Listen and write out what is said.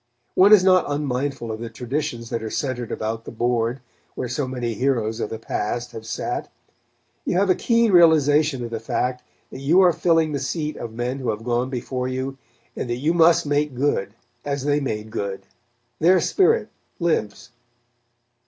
One is not unmindful of the traditions that are centered about the board where so many heroes of the past have sat. You have a keen realization of the fact that you are filling the seat of men who have gone before you, and that you must make good, as they made good. Their spirit lives.